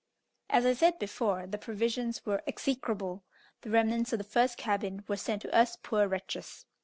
As I said before, the provisions were execrable; the remnants of the first cabin were sent to us poor wretches.